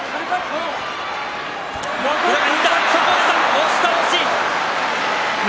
押し倒し翠